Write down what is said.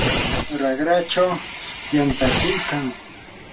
tsurii raqrachaw yantakuykan.